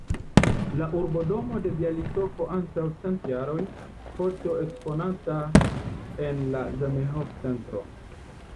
La urbodomo de Bjalistoko antaŭ cent jaroj, foto eksponata en la Zamenhof-centro.